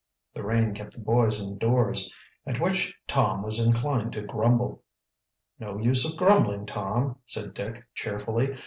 The rain kept the boys indoors, at which Tom was inclined to grumble. "No use of grumbling, Tom," said Dick cheerfully.